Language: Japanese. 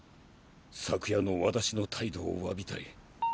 昨夜の私の態度を詫びたい。